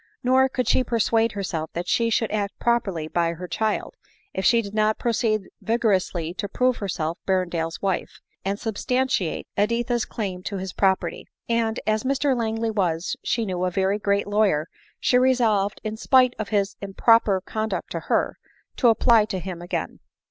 Nor could she persuade herself that she should act properly by her child, if she did not proceed vigorously to prove herself Ber rendale's wife, and substantiate Editha's claim to his property ; and as Mr Langley was, she knew, a very great lawyer, she resolved, in spke of his improper con duct to her, to apply to him again.